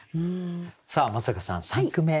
さあ松坂さん３句目。